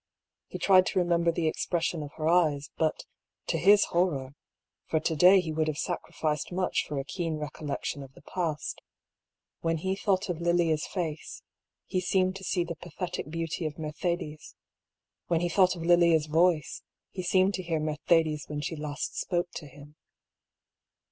He tried to remember the expression of her eyes, but, to his horror — for to day he would have sacrificed much for a keen recollection of the past — when he thought of Lilia's face, he seemed to see the pathetic beauty of Mercedes ; when he thought of Lilia's voice, he seemed to hear Mercedes when she last spoke to him.